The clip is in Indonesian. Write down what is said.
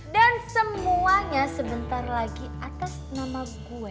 dan semuanya sebentar lagi atas nama gue